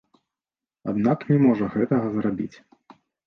Аднак не можа гэтага зрабіць.